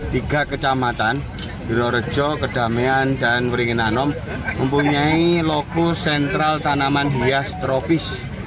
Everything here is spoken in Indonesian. tiga kecamatan gerorejo kedamian dan uringi nanom mempunyai lokus sentral tanaman hies tropis